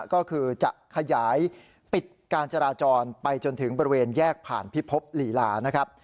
ก็คือจะขยายปิดการจราจรไปจนถึงบริเวณแยกผ่านพิภพลีลานะครับ